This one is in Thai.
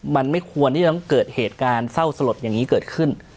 มันไม่ควรที่จะต้องเกิดเหตุการณ์เศร้าสลดอย่างนี้เกิดขึ้น